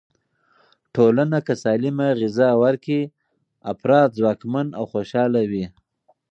ټولنه که سالمه غذا ورکړي، افراد ځواکمن او خوشحاله وي.